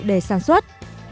để sản xuất